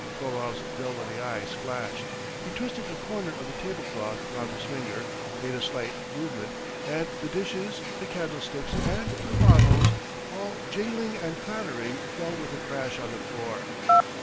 Frolov's velvety eyes flashed. He twisted a corner of the table cloth round his finger, made a slight movement, and the dishes, the candlesticks, and the bottles, all jingling and clattering, fell with a crash on the floor.